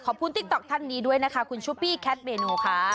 ติ๊กต๊อกท่านนี้ด้วยนะคะคุณชุปปี้แคทเมนูค่ะ